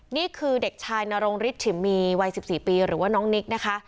นี่คือเด็กชายนรงฤทธิฉิมมีวัย๑๔ปีหรือว่าน้องนิกนะคะ